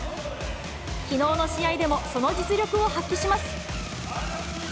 きのうの試合でもその実力を発揮します。